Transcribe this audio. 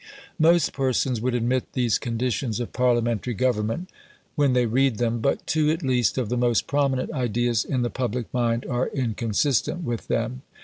Most persons would admit these conditions of Parliamentary government when they read them, but two at least of the most prominent ideas in the public mind are inconsistent with them.